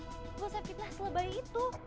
lo gak usah fitnah selebay itu